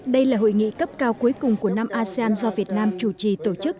đây là hội nghị cấp cao cuối cùng của năm asean do việt nam chủ trì tổ chức